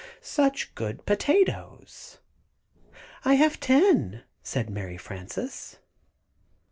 "Such good potatoes!" "I have ten," said Mary Frances.